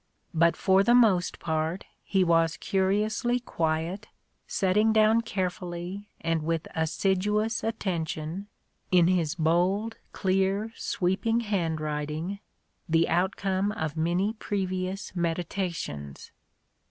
But for the most part he was curiously quiet, setting down carefully and with assiduous attention in his bold, clear, sweeping handwriting, the outcome of many previous meditations.